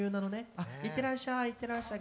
あっいってらっしゃいいってらっしゃい。